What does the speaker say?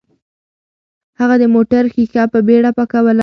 هغه د موټر ښیښه په بیړه پاکوله.